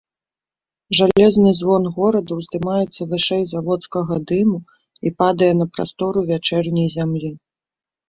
Жалезны звон горада ўздымаецца вышэй заводскага дыму і падае на прастору вячэрняй зямлі.